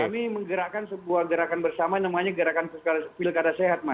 kami menggerakkan sebuah gerakan bersama namanya gerakan pilkada sehat mas